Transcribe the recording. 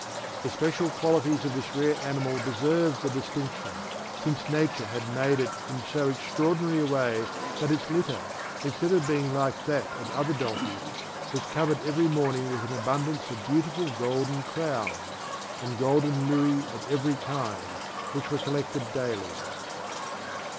The special qualities of this rare animal deserved the distinction, since nature had made it in so extraordinary a way that its litter, instead of being like that of other donkeys, was covered every morning with an abundance of beautiful golden crowns, and golden louis of every kind, which were collected daily.